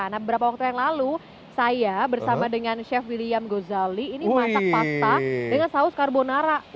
nah beberapa waktu yang lalu saya bersama dengan chef william gozali ini masak pasta dengan saus carbonara